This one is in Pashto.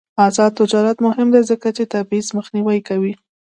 آزاد تجارت مهم دی ځکه چې تبعیض مخنیوی کوي.